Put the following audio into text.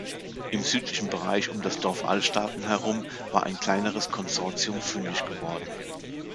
Im südlichen Bereich um das Dorf Alstaden herum war ein kleineres Konsortium fündig geworden.